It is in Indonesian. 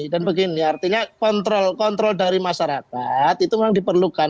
begini artinya kontrol kontrol dari masyarakat itu memang diperlukan